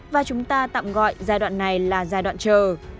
và chúng ta tạm gọi giai đoạn này là giai đoạn chờ